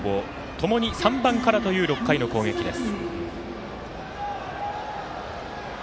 ともに３番からという６回の攻撃です。